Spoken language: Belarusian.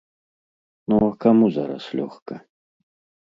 Ну, а каму зараз лёгка?